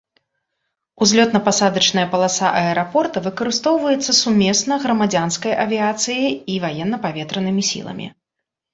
Узлётна-пасадачная паласа аэрапорта выкарыстоўваецца сумесна грамадзянскай авіяцыяй і ваенна-паветранымі сіламі.